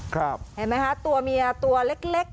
เห็นไหมคะตัวเมียตัวเล็ก